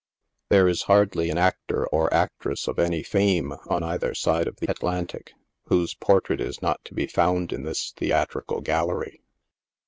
There is hardly an actor or actress of any fame, on either side of the Atlantic, whose portrait is not to be found in this theatrical gallery.